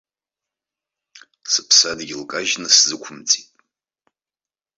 Сыԥсадгьыл кажьны сзықәымҵит.